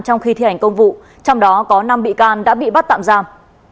trong khi thi hành công vụ trong đó có năm bị can đã bị bắt tạm giam